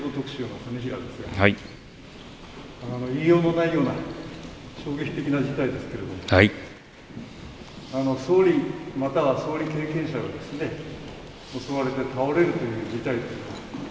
言いようのないような衝撃的な事態ですけれども総理または、総理経験者が襲われて倒れるという事態です。